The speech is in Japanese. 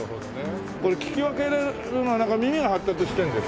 これ聞き分けられるのはなんか耳が発達してるんですか？